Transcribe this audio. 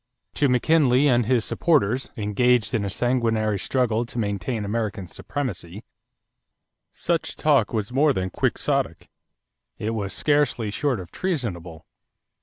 = To McKinley and his supporters, engaged in a sanguinary struggle to maintain American supremacy, such talk was more than quixotic; it was scarcely short of treasonable.